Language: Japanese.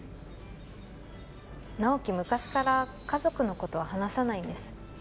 直木昔から家族のことは話さないんです